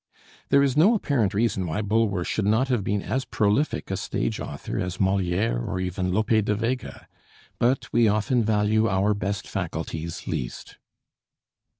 There is no apparent reason why Bulwer should not have been as prolific a stage author as Molière or even Lope de Vega. But we often value our best faculties least.